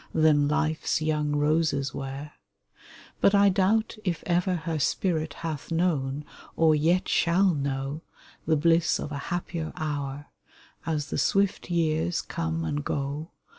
Than Life's young roses were. But I doubt if ever her spirit Hath known, or yet shall know, The bliss of a happier hour. As the swift years come and go.